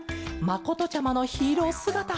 まことちゃまのヒーローすがた。